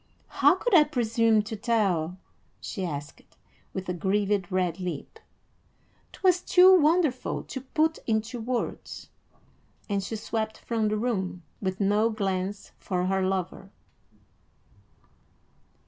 "How could I presume to tell?" she asked, with a grieved red lip. "'Twas too wonderful to put into words;" and she swept from the room, with no glance for her lover.